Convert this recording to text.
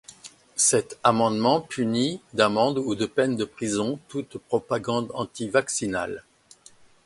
Cet amendement punit d'amende ou de peine de prison toute propagande antivaccinale.